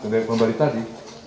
dari pembali tadi